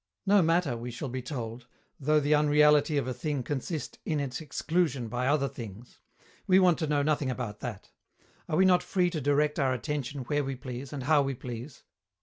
"No matter," we shall be told, "though the unreality of a thing consist in its exclusion by other things; we want to know nothing about that. Are we not free to direct our attention where we please and how we please?